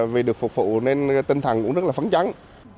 vì được phục vụ nên tinh thần cũng rất là phấn trắng